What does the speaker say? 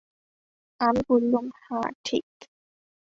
আমি বললুম, হাঁ ঠিক।